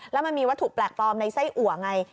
แล้วมันมีวัตถุแปลกปลอมในไส้อัวไง